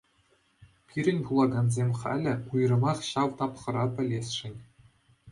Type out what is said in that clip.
Пирӗн вулакансем халӗ уйрӑмах ҫав тапхӑра пӗлесшӗн.